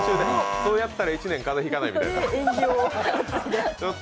そうやったら一年風邪引かないみたいな。